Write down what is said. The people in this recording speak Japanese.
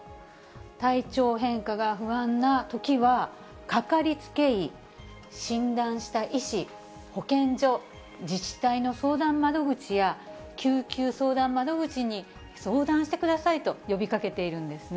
体調変化が不安なときは、掛かりつけ医、診断した医師、保健所、自治体の相談窓口や、救急相談窓口に相談してくださいと呼びかけているんですね。